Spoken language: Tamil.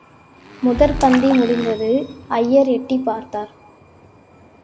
முதற் பந்தி முடிந்தது, ஐயர் எட்டிப் பார்த்தார்.